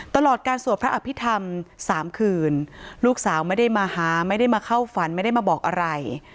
ตลอดการสวดพระอภิษฐรรม๓คืนลูกสาวไม่ได้มาหาไม่ได้มาเข้าฝันไม่ได้มาบอกอะไร